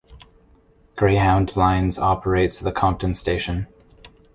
Greyhound Lines operates the Compton Station.